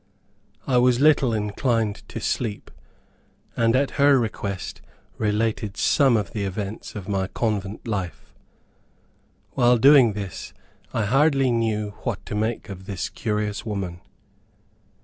I was little inclined to sleep, and at her request related some of the events of my convent life. While doing this, I hardly knew what to make of this curious woman.